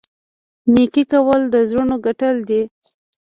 نیکي کول د زړونو ګټل دي.